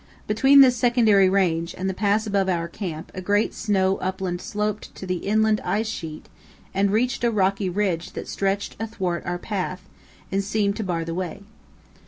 Between this secondary range and the pass above our camp a great snow upland sloped up to the inland ice sheet and reached a rocky ridge that stretched athwart our path and seemed to bar the way.